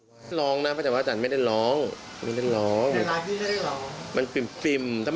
ไม่ได้ร้องนะพระเจ้าบาทธรรมไม่ได้ร้องไม่ได้ร้องไม่ได้ร้องไม่ได้ร้องไม่ได้ร้อง